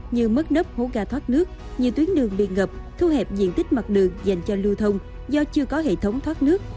như mất nấp hố ga thoát nước nhiều tuyến đường bị ngập thu hẹp diện tích mặt đường dành cho lưu thông do chưa có hệ thống thoát nước